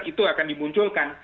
itu akan dimunculkan